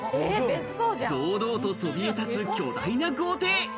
堂々とそびえ立つ巨大な豪邸。